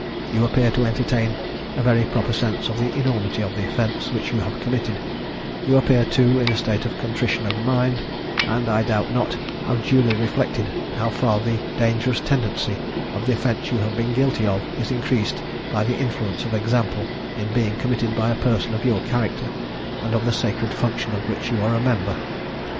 You appear to entertain a very proper sense of the enormity of the offence which you have committed; you appear, too, in a state of contrition of mind, and, I doubt not, have duly reflected how far the dangerous tendency of the offence you have been guilty of is increased by the influence of example, in being committed by a person of your character, and of the sacred function of which you are a member.